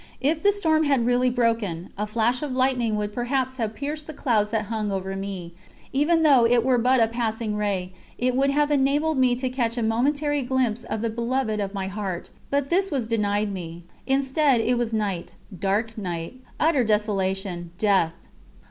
If the storm had really broken, a flash of lightning would perhaps have pierced the clouds that hung over me: even though it were but a passing ray, it would have enabled me to catch a momentary glimpse of the Beloved of my heart but this was denied me. Instead, it was night, dark night, utter desolation, death!